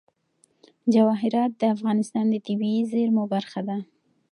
جواهرات د افغانستان د طبیعي زیرمو برخه ده.